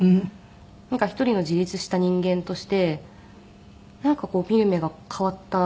なんか一人の自立した人間としてなんかこう見る目が変わった日があって。